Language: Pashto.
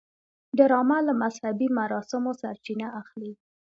ډرامه له مذهبي مراسمو سرچینه اخلي